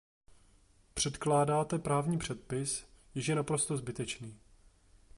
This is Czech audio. Předkládáte právní předpis, jež je naprosto zbytečný.